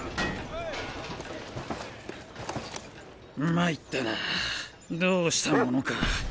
参ったなどうしたものか。